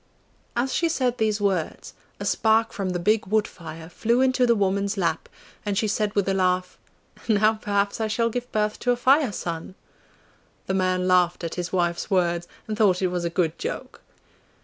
As she said these words, a spark from the big wood fire flew into the woman's lap, and she said with a laugh, 'Now perhaps I shall give birth to a Fire son!' The man laughed at his wife's words, and thought it was a good joke.